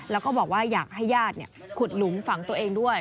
แล้วก็บอกว่าอยากให้ญาติขุดหลุมฝังตัวเองด้วย